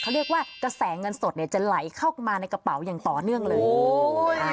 เขาเรียกว่ากระแสเงินสดเนี่ยจะไหลเข้ามาในกระเป๋าอย่างต่อเนื่องเลย